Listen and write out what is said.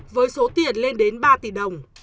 với số tiền lên đến ba tỷ đồng